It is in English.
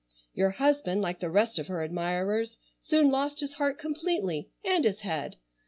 Your husband, like the rest of her admirers, soon lost his heart completely, and his head.